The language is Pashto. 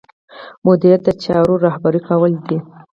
مدیریت د چارو رهبري کول دي.